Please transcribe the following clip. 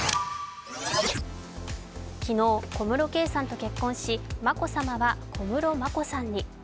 昨日、小室圭さんと結婚し、眞子さまは小室眞子さんに。